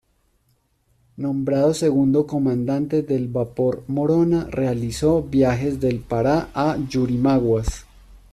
Nombrado segundo comandante del vapor "Morona", realizó viajes del Pará a Yurimaguas.